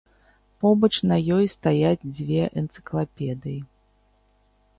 Побач на ёй стаяць дзве энцыклапедыі.